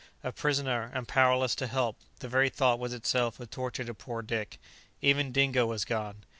A prisoner, and powerless to help! the very thought was itself a torture to poor Dick. Even Dingo was gone!